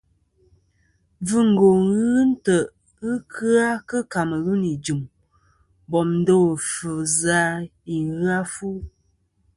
Mbvɨngwo ghɨ ntè' ghɨ kɨ-a kɨ camelûn i jɨm bòm ndo àfvɨ zɨ a i ghɨ a fu.